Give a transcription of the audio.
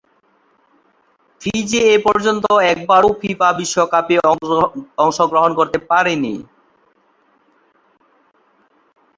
Fiji এপর্যন্ত একবারও FIFA বিশ্বকাপে অংশগ্রহণ করতে পারেনি।